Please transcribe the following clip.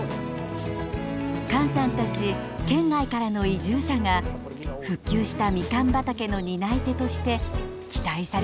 菅さんたち県外からの移住者が復旧したみかん畑の担い手として期待されています。